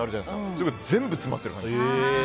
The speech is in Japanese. それが全部詰まってる感じ。